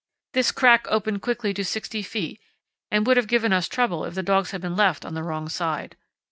This crack opened quickly to 60 ft. and would have given us trouble if the dogs had been left on the wrong side.